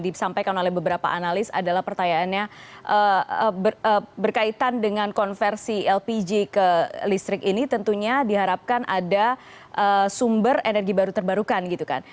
disampaikan oleh beberapa analis adalah pertanyaannya berkaitan dengan konversi lpg ke listrik ini tentunya diharapkan ada sumber energi baru terbarukan gitu kan